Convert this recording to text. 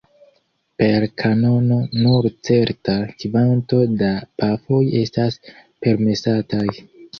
Per kanono nur certa kvanto da pafoj estas permesataj.